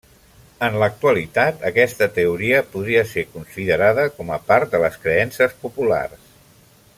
En l'actualitat, aquesta teoria podria ser considerada com a part de les creences populars.